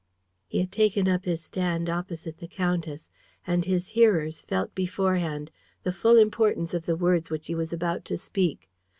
He had taken up his stand opposite the countess; and his hearers felt beforehand the full importance of the words which he was about to speak.